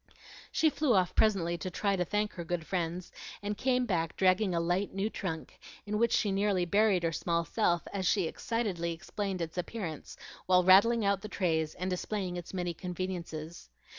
She flew off presently to try to thank her good friends, and came back dragging a light new trunk, in which she nearly buried her small self as she excitedly explained its appearance, while rattling out the trays and displaying its many conveniences.